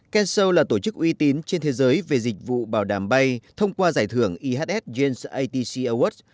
kensow là tổ chức uy tín trên thế giới về dịch vụ bảo đảm bay thông qua giải thưởng ihs jens atc awards